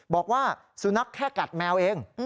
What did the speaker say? บอกว่าสุนัขแค่กัดแมวเอง